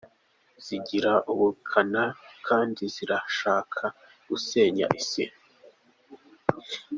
Zigira ubukana kandi zirashaka gusenya Isi.